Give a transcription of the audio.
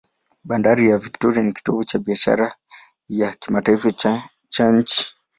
Bandari ya Victoria ni kitovu cha biashara ya kimataifa cha nchi.